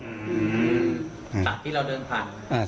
จากที่เราเดินผ่าน